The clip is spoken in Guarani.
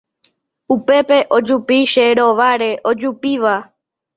Upépe ojupi che rováre ojupíva